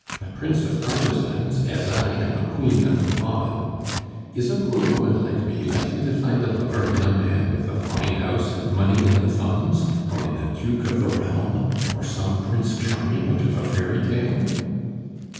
"A prince of artisans, as I am queen of the bobbin. Is a poor woman like me likely to find a lover in a man with a fine house and money in the funds, or in a duke of the realm, or some Prince Charming out of a fairy tale?"